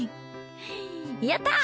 やったー！